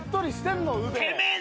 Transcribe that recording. てめえ！